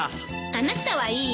あなたはいいわ。